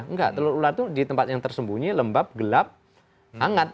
enggak telur ular itu di tempat yang tersembunyi lembab gelap hangat